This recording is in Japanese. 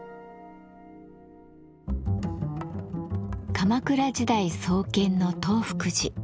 鎌倉時代創建の東福寺。